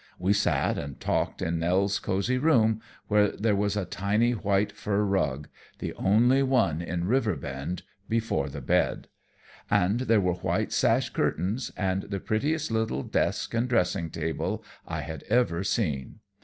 We sat and talked in Nell's cozy room, where there was a tiny, white fur rug the only one in Riverbend before the bed; and there were white sash curtains, and the prettiest little desk and dressing table I had ever seen.